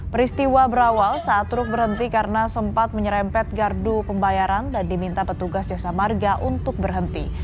peristiwa berawal saat truk berhenti karena sempat menyerempet gardu pembayaran dan diminta petugas jasa marga untuk berhenti